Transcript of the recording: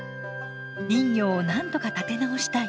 林業をなんとか立て直したい。